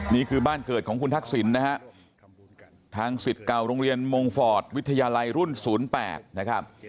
นี่คือบ้านเกิดของคุณทักษิณนะฮะทางสิทธิ์เก่าโรงเรียนมงฟอร์ตวิทยาลัยรุ่น๐๘นะครับ